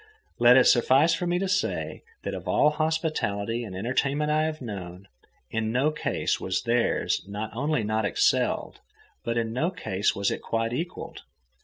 Let it suffice for me to say that of all hospitality and entertainment I have known, in no case was theirs not only not excelled, but in no case was it quite equalled.